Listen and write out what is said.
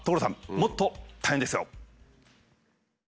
もっと大変ですよ。